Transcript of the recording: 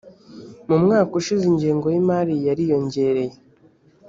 mu mwaka ushize ingengo y’imari yariyongereye